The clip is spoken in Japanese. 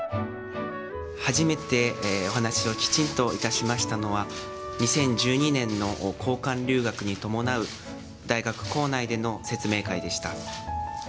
初めてお話をきちんといたしましたのは、２０１２年の交換留学に伴う大学構内での説明会でした。